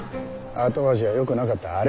後味はよくなかった。